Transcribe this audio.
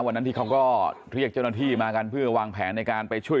วันนั้นที่เขาก็เรียกเจ้าหน้าที่มากันเพื่อวางแผนในการไปช่วย